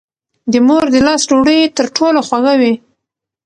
د مور د لاس ډوډۍ تر ټولو خوږه وي.